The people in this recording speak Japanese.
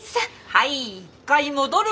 はい一回戻る！